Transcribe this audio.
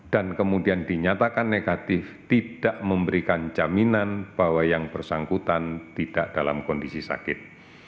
dan kemudian dinyatakan negatif tidak memberikan jaminan bahwa yang bersangkutan tidak dalam kondisi sakit